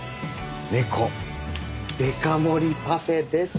ネコデカ盛りパフェです。